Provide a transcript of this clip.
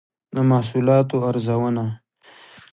د محصولاتو ارزونه